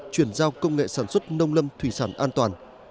chuyển giao công nghệ sản xuất nông lâm thủy sản an toàn